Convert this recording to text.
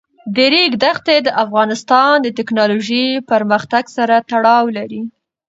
د ریګ دښتې د افغانستان د تکنالوژۍ پرمختګ سره تړاو لري.